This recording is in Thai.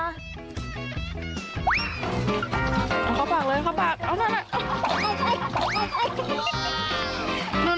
เอาข้าวปากเลยเอาบ้าง